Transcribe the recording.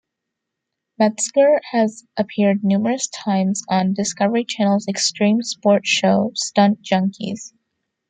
Metzger has appeared numerous times on the Discovery Channel's extreme sport show Stunt Junkies.